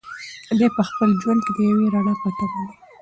دی په خپل ژوند کې د یوې رڼا په تمه دی.